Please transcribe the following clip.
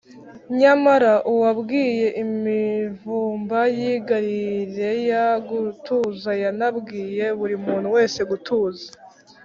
nyamara, uwabwiye imivumba y’i galileya gutuza yanabwiye buri muntu wese gutuza